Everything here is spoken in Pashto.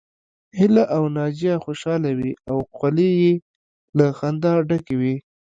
هيله او ناجيه خوشحاله وې او خولې يې له خندا ډکې وې